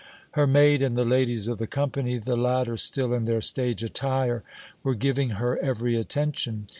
Her maid and the ladies of the company, the latter still in their stage attire, were giving her every attention.